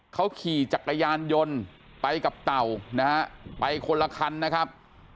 เขาขี่จักรยานยนต์ไปกับเต่านะฮะไปคนละคันนะครับ